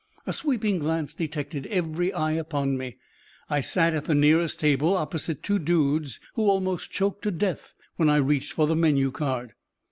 A sweeping glance detected every eye upon me. I sat at the nearest table opposite two dudes who almost choked to death when I reached for the menu card.